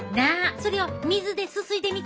それを水ですすいでみて。